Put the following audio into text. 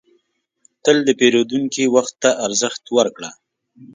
تل د پیرودونکي وخت ته ارزښت ورکړه.